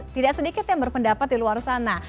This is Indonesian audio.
tidak sedikit yang berpendapat di luar sana